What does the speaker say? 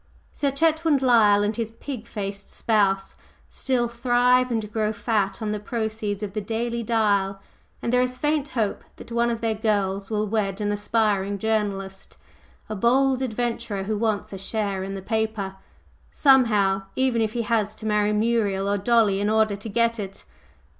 Sir Chetwynd Lyle and his pig faced spouse still thrive and grow fat on the proceeds of the Daily Dial, and there is faint hope that one of their "girls" will wed an aspiring journalist, a bold adventurer who wants "a share in the paper" somehow, even if he has to marry Muriel or Dolly in order to get it.